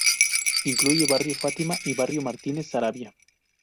Incluye Barrio Fátima y Barrio Martínez Saravia.